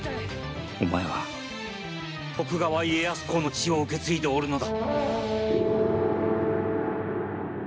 お前は徳川家康公の血を受け継いでおるのだ。